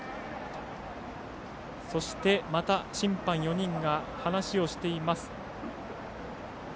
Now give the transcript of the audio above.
そして、また審判４人が話をしています。